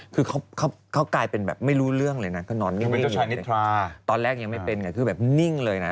คือเขากลายเป็นแบบไม่รู้เรื่องเลยนะก็นอนนิ่งเฉยตอนแรกยังไม่เป็นไงคือแบบนิ่งเลยนะ